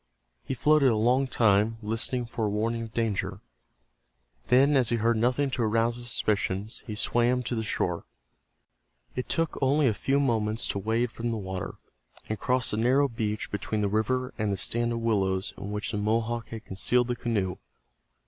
He floated a long time, listening for a warning of danger. Then as he heard nothing to arouse his suspicions he swam to the shore. It took only a few moments to wade from the water, and cross the narrow beach between the river and the stand of willows in which the Mohawk had concealed the canoe.